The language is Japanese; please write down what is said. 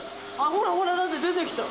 ほらほらだって出てきた！